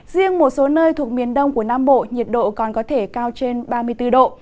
riêng một số nơi thuộc miền đông của nam bộ nhiệt độ còn có thể cao trên ba mươi bốn độ